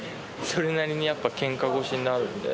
それなりにやっぱケンカ腰になるんで。